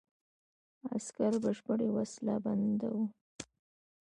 عسکر بشپړ وسله بند وو.